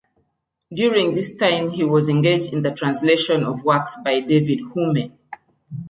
During this time he was engaged in the translation of works by David Hume.